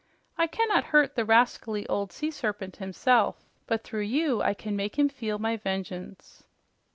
I cannot hurt the rascally old sea serpent himself, but through you I can make him feel my vengeance."